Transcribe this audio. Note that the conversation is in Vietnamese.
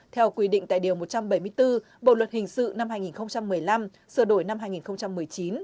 theo quy định tại điều một trăm bảy mươi bốn bộ luật hình sự năm hai nghìn một mươi năm sửa đổi năm hai nghìn một mươi chín